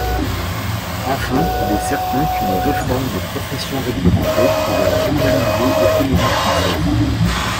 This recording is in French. Enfin, il est certain qu’une réforme des professions réglementées pourrait dynamiser l’économie française.